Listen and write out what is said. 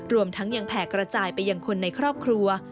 รวมทั้งยังแผ่กระจายไปยังคนในครอบครัว